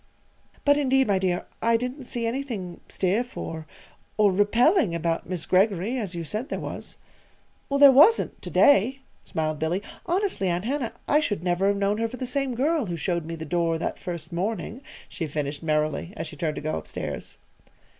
"But, indeed, my dear, I didn't see anything stiff, or or repelling about Miss Greggory, as you said there was." "There wasn't to day," smiled Billy. "Honestly, Aunt Hannah, I should never have known her for the same girl who showed me the door that first morning," she finished merrily, as she turned to go up stairs.